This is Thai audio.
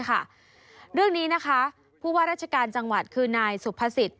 เรื่องนี้นะคะผู้ว่าราชการจังหวัดคือนายสุภสิทธิ